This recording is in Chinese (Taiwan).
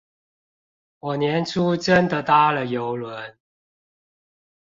我年初真的搭了郵輪